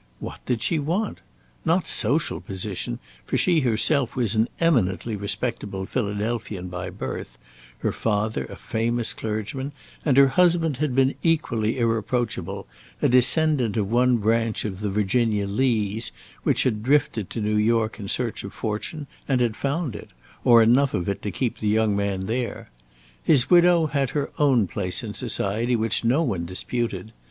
What did she want? Not social position, for she herself was an eminently respectable Philadelphian by birth; her father a famous clergyman; and her husband had been equally irreproachable, a descendant of one branch of the Virginia Lees, which had drifted to New York in search of fortune, and had found it, or enough of it to keep the young man there. His widow had her own place in society which no one disputed.